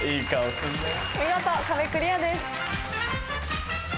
見事壁クリアです。